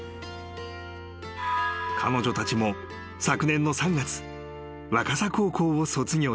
［彼女たちも昨年の３月若狭高校を卒業した］